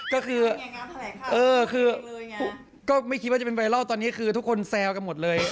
ก็คือก็ไม่คิดว่าจะเป็นไวรัลตอนนี้คือทุกคนแซวกันหมดเลย